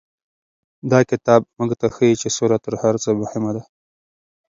دا کتاب موږ ته ښيي چې سوله تر هر څه مهمه ده.